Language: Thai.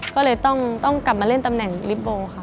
ก็เลยต้องกลับมาเล่นตำแหน่งลิฟโบค่ะ